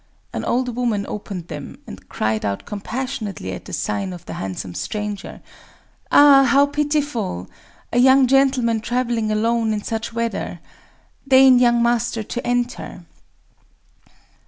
An old woman opened them, and cried out compassionately at the sight of the handsome stranger: "Ah, how pitiful!—a young gentleman traveling alone in such weather!... Deign, young master, to enter."